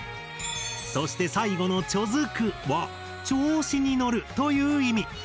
そして最後の「チョヅク」は「調子に乗る」という意味。